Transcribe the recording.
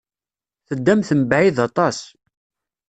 Teddamt mebɛid aṭas.